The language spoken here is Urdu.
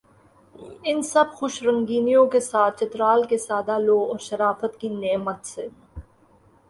ان سب خوش رنگینیوں کے ساتھ چترال کے سادہ لوح اور شرافت کی نعمت سے